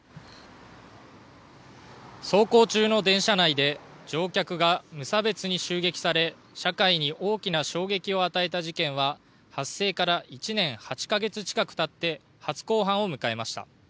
走行中の電車内で乗客が無差別に襲撃され社会に大きな衝撃を与えた事件は発生から１年８か月近くたって初公判を迎えました。